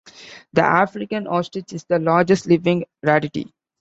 The African ostrich is the largest living ratite.